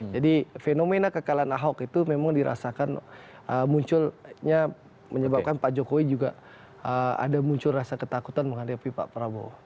jadi fenomena kekalahan ahok itu memang dirasakan munculnya menyebabkan pak jokowi juga ada muncul rasa ketakutan menghadapi pak prabowo